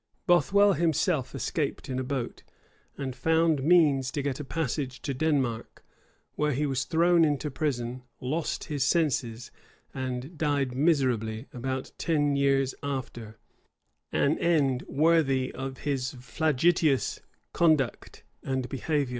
[] Bothwell himself escaped in a boat, and found means to get a passage to Denmark, where he was thrown into prison, lost his senses, and died miserably about ten years after; an end worthy of his flagitious conduct and behavior.